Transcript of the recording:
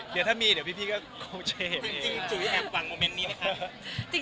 เดี๋ยวถ้ามีเดี๋ยวพี่ก็โคเชฟเอง